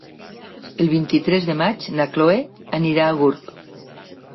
El vint-i-tres de maig na Chloé anirà a Gurb.